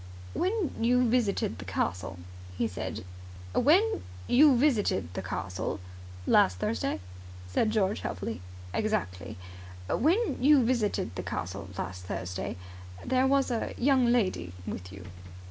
"When you visited the castle," he said, "when you visited the castle ..." "Last Thursday," said George helpfully. "Exactly. When you visited the castle last Thursday, there was a young lady with you."